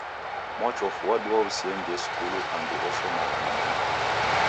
Mwachofu wadua useghendie skulu andu ushomagha na mwana wapo